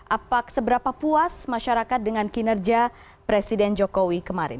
apa seberapa puas masyarakat dengan kinerja presiden jokowi kemarin